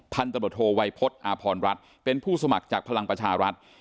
พันตำรวจโทวัยพฤษอาพรรัฐเป็นผู้สมัครจากพลังประชารัฐ